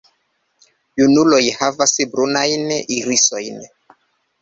Junuloj havas brunajn irisojn.